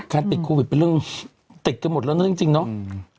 การปิดโควิดเป็นเรื่องติดกันหมดแล้วนั่นเรื่องจริงเนอะอืม